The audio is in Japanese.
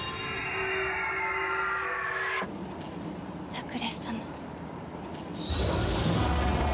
ラクレス様。